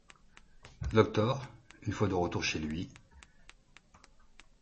Doctor une fois de retour chez lui.